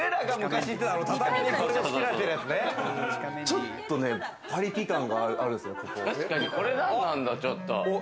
ちょっとね、パリピ感もあるんですよ。